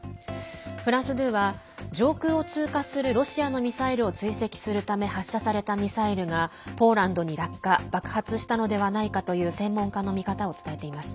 フランス２は、上空を通過するロシアのミサイルを追跡するため発射されたミサイルが、ポーランドに落下爆発したのではないかという専門家の見方を伝えています。